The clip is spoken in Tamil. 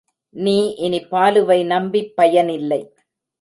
நீ இனி பாலுவை நம்பிப் பயனில்லை.